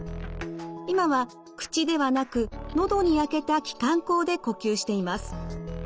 今は口ではなく喉に開けた気管孔で呼吸しています。